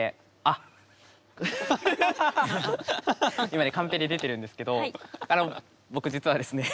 今ねカンペで出てるんですけどあの僕実はですね